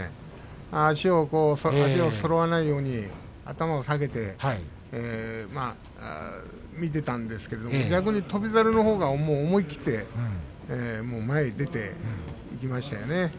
足がそろわないように頭を下げて見ていたんですが逆に翔猿のほうが思い切って前に出ていきましたよね。